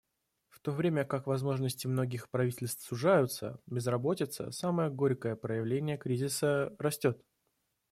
В то время как возможности многих правительств сужаются, безработица — самое горькое проявление кризиса — растет.